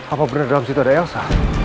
apa benar dalam situ ada elsa